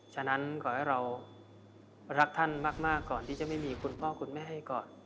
ฉะนั้นขอให้เรารักท่านมากก่อนที่จะไม่มีคุณพ่อคุณแม่ให้ก่อน